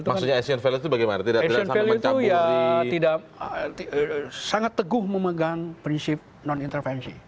asean values itu bagaimana tidak sampai mencampur asean values itu ya tidak sangat teguh memegang prinsip non intervensi